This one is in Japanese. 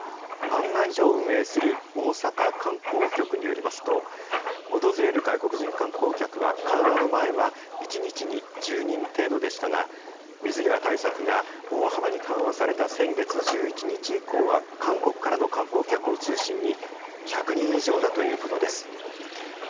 案内所を運営する大阪観光局によりますと、訪れる外国人観光客は緩和の前は１日に１０人程度でしたが、水際対策が大幅に緩和された先月１１日以降は、韓国からの観光客を中心に、１００人以上だということです。